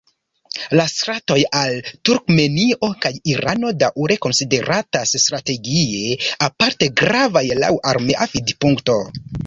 La stratoj al Turkmenio kaj Irano daŭre konsideratas strategie aparte gravaj laŭ armea vidpunkto.